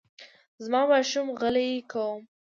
زه ماشوم غلی کوم.